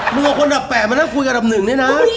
มึงเอาคนอันดับ๘มานั่งคุยกับอันดับ๑นี่นะ